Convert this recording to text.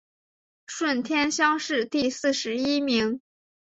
顺天乡试第四十一名。